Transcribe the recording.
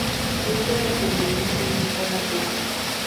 Su ídolo juvenil fue Nikola Tesla.